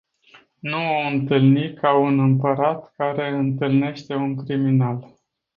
Nu o intalni ca un Imparat care intalneste un criminal.